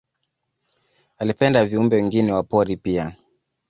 Alipenda viumbe wengine wa pori pia